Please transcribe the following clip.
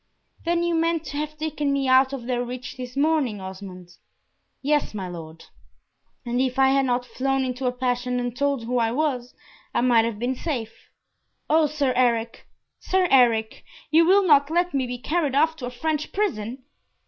"Then you meant to have taken me out of their reach this morning, Osmond?" "Yes, my Lord." "And if I had not flown into a passion and told who I was, I might have been safe! O Sir Eric! Sir Eric! you will not let me be carried off to a French prison!"